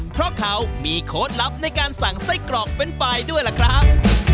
เพราะเขามีโค้ดลับในการสั่งไส้กรอกเรนด์ไฟล์ด้วยล่ะครับ